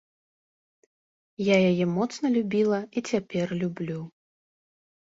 Я яе моцна любіла і цяпер люблю!